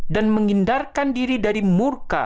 dan mengindarkan diri dari mudah